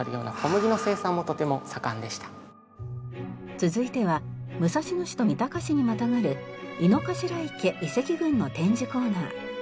続いては武蔵野市と三鷹市にまたがる井の頭池遺跡群の展示コーナー。